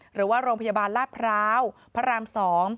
หรือว่าโรงพยาบาลลาดพร้าวพระราม๒